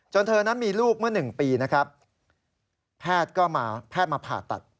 จนเธอนั้นมีลูกเมื่อ๑ปีแพทย์มาผ่าตัด